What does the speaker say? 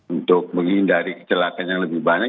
untuk menghindari kecelakaan yang lebih banyak